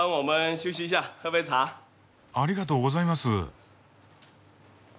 ありがとうございます。